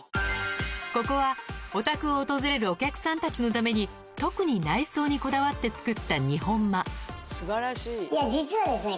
ここはお宅を訪れるお客さんたちのために特に内装にこだわって作った日本間実はですね